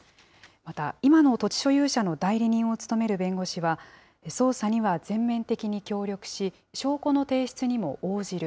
また、今の土地所有者の代理人を務める弁護士は、捜査には全面的に協力し、証拠の提出にも応じる。